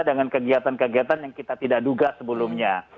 dengan kegiatan kegiatan yang kita tidak duga sebelumnya